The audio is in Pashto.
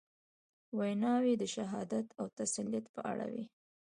ویناوي د شهادت او تسلیت په اړه وې.